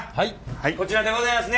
こちらでございますね。